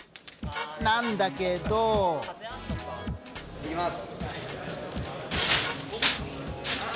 なんだけど。いきます！